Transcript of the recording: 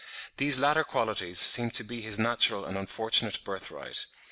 These latter qualities seem to be his natural and unfortunate birthright.